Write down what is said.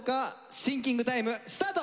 シンキングタイムスタート！